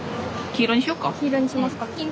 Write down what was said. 黄色にしますか？